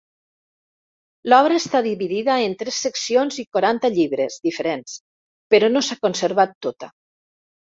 L'obra està dividida en tres seccions i quaranta llibres diferents, però no s'ha conservat tota.